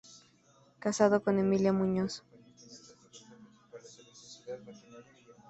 Casado con "Emilia Muñoz".